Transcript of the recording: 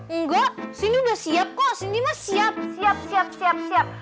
enggak cindy udah siap kok cindy mah siap siap siap siap siap